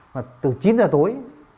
mà từ chín giờ tối